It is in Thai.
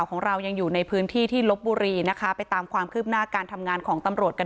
ของเรายังอยู่ในพื้นที่ที่ลบบุรีนะคะไปตามความคืบหน้าการทำงานของตำรวจกัน